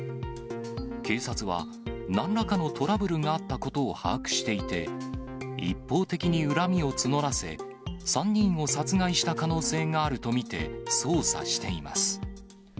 警察はなんらかのトラブルがあったことを把握していて、一方的に恨みを募らせ、３人を殺害した可能性があると見て捜査しています。